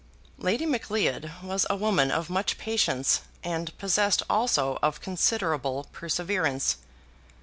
Lady Macleod was a woman of much patience, and possessed also of considerable perseverance.